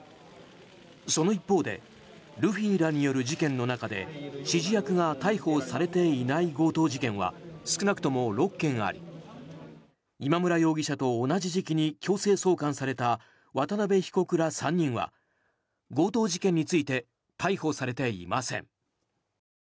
その一方でルフィらによる事件の中で指示役が逮捕されていない強盗事件は少なくとも６件あり今村容疑者と同じ時期に強制送還された渡邉被告ら３人は強盗事件について逮捕されていません。